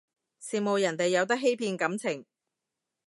羨慕人哋有得欺騙感情